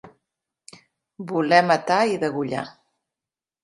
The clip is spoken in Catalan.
Voler matar i degollar.